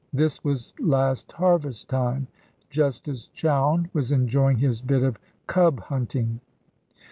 This was last harvest time, just as Chowne was enjoying his bit of cub hunting.